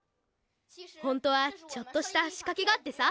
ほんとはちょっとしたしかけがあってさ。